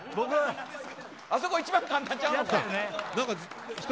あそこ一番簡単ちゃうのか？